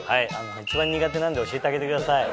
一番苦手なんで教えてあげてください。